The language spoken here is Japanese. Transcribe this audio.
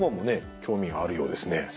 興味があるようですね。